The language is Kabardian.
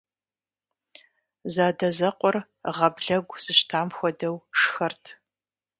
Зэадэзэкъуэр гъаблэгу зыщтам хуэдэу шхэрт.